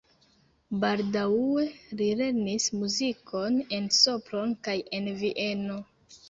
Baldaŭe li lernis muzikon en Sopron kaj en Vieno.